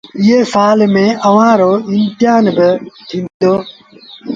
ائيٚݩ سآل ميݩ اُئآݩ رو امتهآن با ٿيٚتو۔